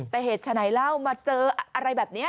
แต่เหตุฉะไหนเล่ามาเจออะไรแบบนี้